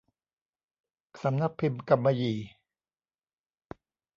สำนักพิมพ์กำมะหยี่